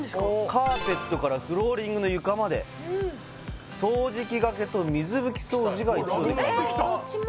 カーペットからフローリングの床まで掃除機がけと水拭き掃除が一度にできますどっちも？